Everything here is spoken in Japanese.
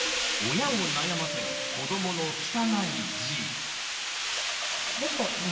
親を悩ませる子どもの汚い字。